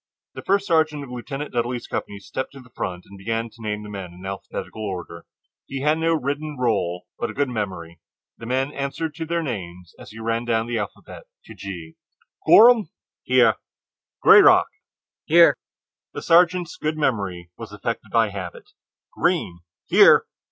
The first sergeant of Lieutenant Dudley's company stepped to the front and began to name the men in alphabetical order. He had no written roll, but a good memory. The men answered to their names as he ran down the alphabet to G. "Gorham." "Here!" "Grayrock." "Here!" The sergeant's good memory was affected by habit: "Greene." "Here!"